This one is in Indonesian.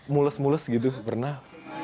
mulus mulus gitu pernah